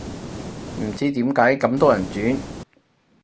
唔知點解咁多人轉